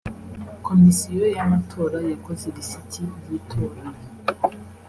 Komisiyo y’amatora yakoze lisiti y’itora